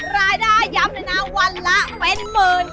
รายได้ย้ำในหน้าวันละเว้นหมื่น